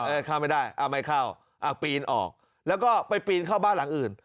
เอ้าไม่เข้าอ่าปีนออกแล้วก็ไปปีนเข้าบ้านหลังอื่น